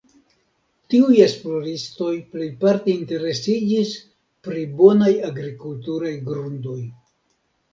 Tiuj esploristoj plejparte interesiĝis pri bonaj agrikulturaj grundoj.